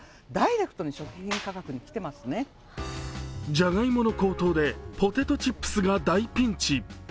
じゃがいもの高騰でポテトチップスが大ピンチ。